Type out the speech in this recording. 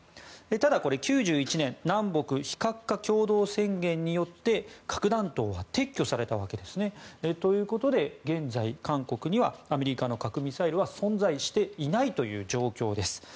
ただ、９１年南北非核化共同宣言によって核弾頭は撤去されたわけですね。ということで、現在韓国にはアメリカの核ミサイルは存在していないという状況です。